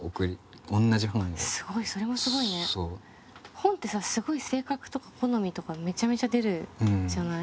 本ってさすごい性格とか好みとかめちゃめちゃ出るじゃない？